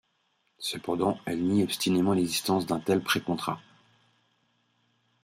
Cependant, elle nie obstinément l'existence d'un tel pré-contrat.